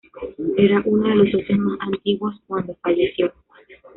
Era uno de los socios más antiguos cuando falleció.